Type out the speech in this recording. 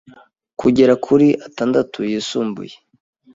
kugera kuri atandatu yisumbuye